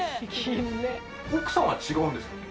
奥さんは違うんですよね？